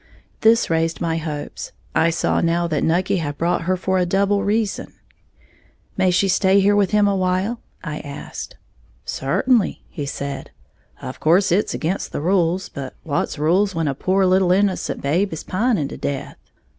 This raised my hopes. I saw now that Nucky had brought her for a double reason. "May she stay here with him a while?" I asked. "Certainly," he said; "of course it's again' the rules; but what's rules when a pore little innocent babe is pining to death?"